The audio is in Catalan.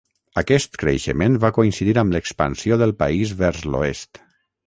Aquest creixement va coincidir amb l’expansió del país vers l’oest.